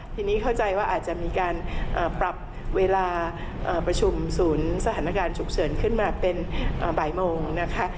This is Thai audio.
ทีนี้เข้าใจว่าอาจจะมีการปรับเวลาประชุมศูนย์สถานการณ์ฉุกเฉินขึ้นมาเป็นบ่ายโมงนะคะ